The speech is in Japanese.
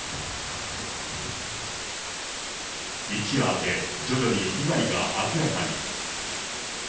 一夜明け、徐々に被害が明らかに。